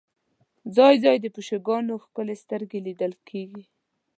ځای ځای د پیشوګانو ښکلې سترګې لیدل کېږي.